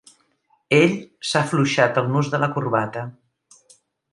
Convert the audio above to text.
Ell s'ha afluixat el nus de la corbata.